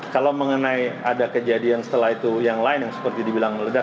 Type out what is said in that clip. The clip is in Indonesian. kalau mengenai ada kejadian setelah itu yang lain yang seperti dibilang meledak